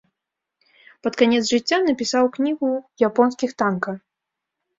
Пад канец жыцця напісаў кнігу японскіх танка.